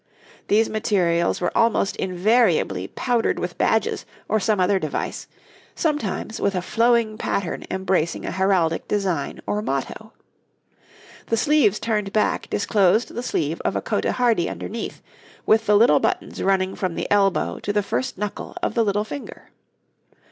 These materials were almost invariably powdered with badges or some other device, sometimes with a flowing pattern embracing an heraldic design or motto. The sleeves turned back disclosed the sleeve of a cotehardie underneath, with the little buttons running from the elbow to the first knuckle of the little finger.